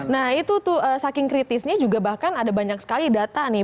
nah itu tuh saking kritisnya juga bahkan ada banyak sekali data nih